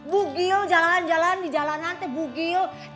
bugil jalan jalan di jalan nanti bugil